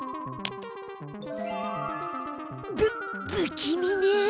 ぶ不気味ね。